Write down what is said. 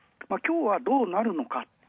きょうはどうなるのか。